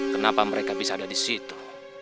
kenapa mereka bisa ada disitu